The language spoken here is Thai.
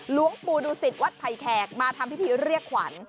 หลวงปู่ดูสิตวัดไผ่แขกมาทำพิธีเรียกขวัญ